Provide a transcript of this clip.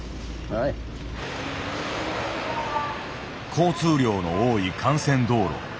交通量の多い幹線道路。